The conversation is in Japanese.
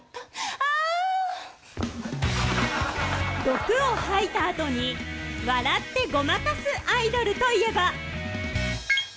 ・毒を吐いた後に笑ってごまかすアイドルといえば？